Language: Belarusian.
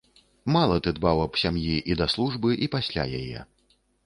Мала ты дбаў аб сям'і і да службы і пасля яе.